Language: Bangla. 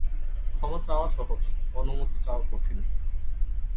ক্ষমা চাওয়া সহজ, অনুমতি চাওয়া কঠিন।